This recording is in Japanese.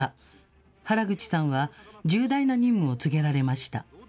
出航から９日、原口さんは、重大な任務を告げられました。